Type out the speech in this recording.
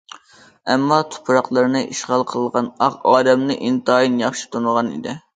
ئەمما تۇپراقلىرىنى ئىشغال قىلغان ئاق ئادەمنى ئىنتايىن ياخشى تونۇغان ئىدى!